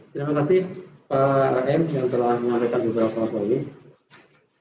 terima kasih pak raim yang telah menyampaikan beberapa hal ini